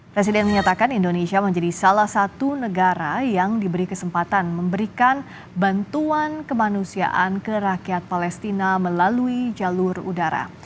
presiden menyatakan indonesia menjadi salah satu negara yang diberi kesempatan memberikan bantuan kemanusiaan ke rakyat palestina melalui jalur udara